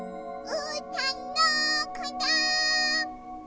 うーたんどこだ？